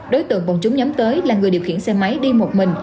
đối tượng bọn chúng nhắm tới là người điều khiển xe máy đi một mình